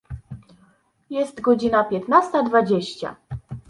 Jest godzina piętnasta dwadzieścia.